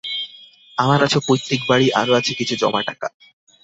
আমার আছে পৈতৃক বাড়ি, আরও আছে কিছু জমা টাকা।